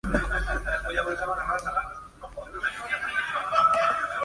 Más tarde se convirtió en gobernador de la provincia china de Taiwán.